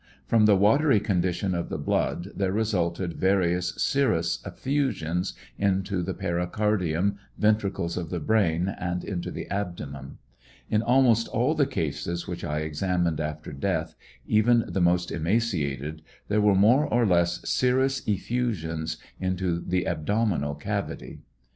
From the watery condition of the blood, there resulted various serous effusions into the pericardium, ventricles of the brain, and into the abdomen. In almost all the cases which I examined after death, even the most emaciated, there were more or less serous effusions into the abdomi nal cavity.